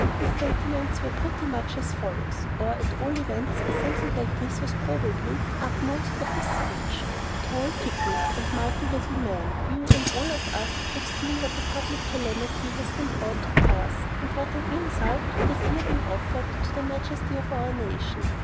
His sentiments were pretty much as follows; or, at all events, something like this was probably the upshot of his speech: "Tall Pygmies and mighty little men! You and all of us have seen what a public calamity has been brought to pass, and what an insult has here been offered to the majesty of our nation.